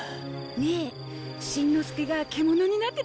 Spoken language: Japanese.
ねえしんのすけが獣になってたらどうする？